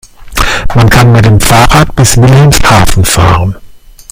Man kann mit dem Fahrrad bis Wilhelmshaven fahren